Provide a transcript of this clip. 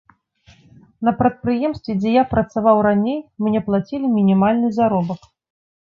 На прадпрыемстве, дзе я працаваў раней, мне плацілі мінімальны заробак.